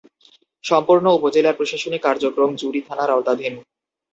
সম্পূর্ণ উপজেলার প্রশাসনিক কার্যক্রম জুড়ী থানার আওতাধীন।